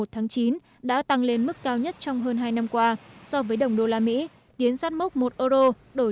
một tháng chín đã tăng lên mức cao nhất trong hơn hai năm qua so với đồng usd tiến sát mốc một euro đổi